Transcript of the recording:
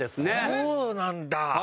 そうなんだ！